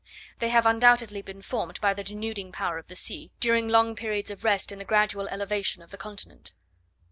They have undoubtedly been formed by the denuding power of the sea, during long periods of rest in the gradual elevation of the continent.